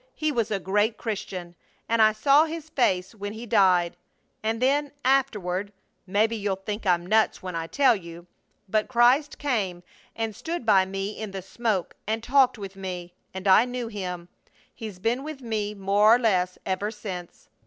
He was a great Christian, and I saw his face when he died! And then, afterward maybe you'll think I'm nuts when I tell you but Christ came and stood by me in the smoke and talked with me and I knew Him! He's been with me more or less ever since."